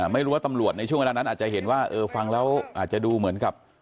ไม่รู้ว่าตำรวจในช่วงเวลานั้นอาจจะเห็นว่าเออฟังแล้วอาจจะดูเหมือนกับ